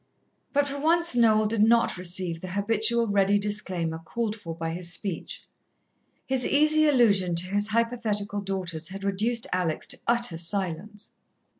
But for once Noel did not receive the habitual ready disclaimer called for by his speech. His easy allusion to his hypothetical daughters had reduced Alex to utter silence.